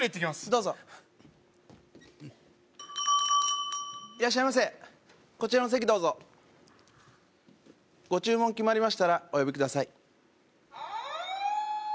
どうぞいらっしゃいませこちらの席どうぞご注文決まりましたらお呼びください